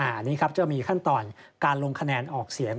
อันนี้ครับจะมีขั้นตอนการลงคะแนนออกเสียง